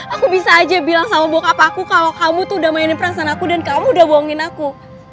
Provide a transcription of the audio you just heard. aku bisa aja bilang sama bokap aku kalau kamu tuh udah mainin perasaan aku dan kamu udah bohongin aku